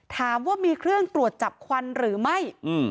ถามว่ามีเครื่องตรวจจับควันหรือไม่